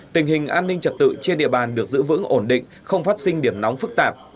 tình hình an ninh trật tự trên địa bàn được giữ vững ổn định không phát sinh điểm nóng phức tạp